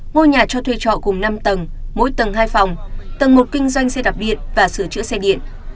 ngôi nhà cho thuê trọ cùng năm tầng mỗi tầng hai phòng tầng một kinh doanh xe đạp điện và sửa chữa xe điện